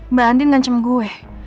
mbak andin ngancam gue